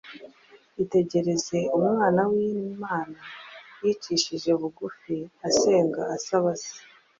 Itegereze Umwana w’Imana yicishije bugufi asenga asaba Se!